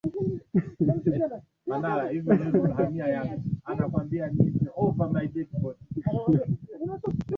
hicho kiliainishwa na uenezi wa magonjwa ya bovin pleuropneumonia tauni ya ngombe na ndui